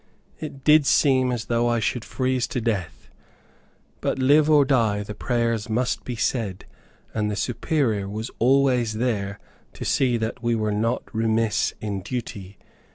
It did seem as though I should freeze to death. But live or die, the prayers must be said, and the Superior was always there to see that we were not remiss in duty.